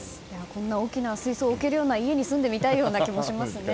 こんな大きな水槽を置ける家に住んでみたい気もしますね。